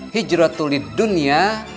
hijratu li dunya